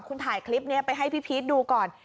คุณถ่ายคลิปนี้ไปให้พี่พีชดูก่อน